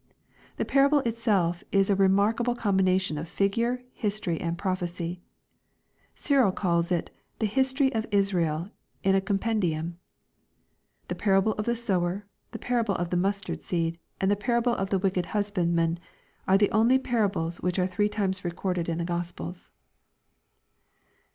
The parable itself is a remarkable combination of figure, history and prophecy. Cyril calls it " the history of Israel in a compen dium." The parable of the sower, the parable of the mustard seed, and the parable of the wicked husbandman, are the only parables which are three times recorded in the Gospels.